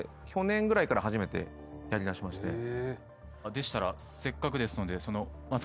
でしたらせっかくですので。